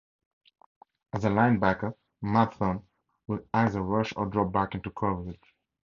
As a linebacker, Matheson would either rush or drop back into coverage.